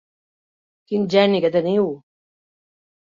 Quin geni que teniu!